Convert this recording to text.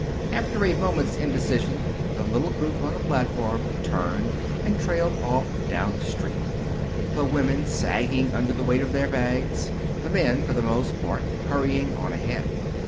After a moment's indecision the little group on the platform turned and trailed off down the street, the women sagging under the weight of their bags, the men, for the most part, hurrying on ahead.